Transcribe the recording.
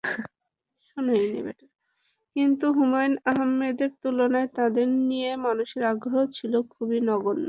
কিন্তু হুমায়ূন আহমেদের তুলনায় তাঁদের নিয়ে মানুষের আগ্রহ ছিল খুবই নগণ্য।